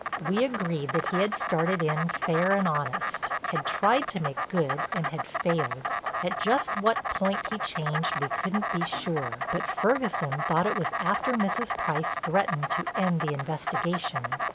We agreed that he had started in fair and honest, had tried to make good and had failed. At just what point he changed we couldn't be sure, but Ferguson thought it was after Mrs. Price threatened to end the investigation.